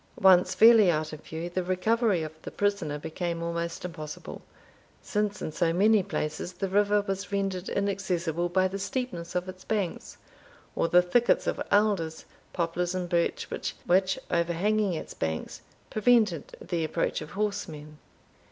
Once fairly out of view, the recovery of the prisoner became almost impossible, since, in so many places, the river was rendered inaccessible by the steepness of its banks, or the thickets of alders, poplars, and birch, which, overhanging its banks, prevented the approach of horsemen.